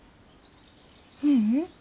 ううん。